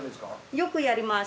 よくやります。